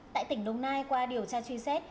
tại tỉnh đông nai qua điều tra truy xét